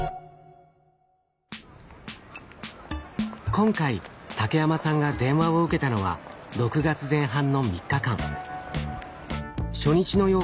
今回竹山さんが電話を受けたのは６月前半の３日間。